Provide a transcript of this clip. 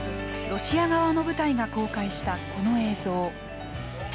ロシア側の部隊が公開したこの映像。